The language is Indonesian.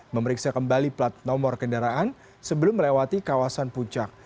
memeriksa kembali plat nomor kendaraan sebelum melewati kawasan puncak